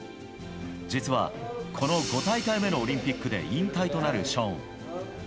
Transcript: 実は、この５大会目のオリンピックで引退となるショーン。